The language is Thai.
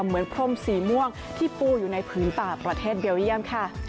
พรมสีม่วงที่ปูอยู่ในพื้นป่าประเทศเบลเยี่ยมค่ะ